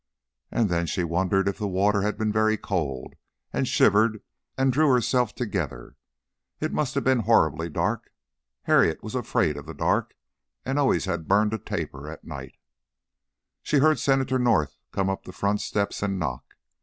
And then she wondered if the water had been very cold, and shivered and drew herself together. And it must have been horribly dark. Harriet was afraid of the dark, and always had burned a taper at night. She heard Senator North come up the front steps and knock.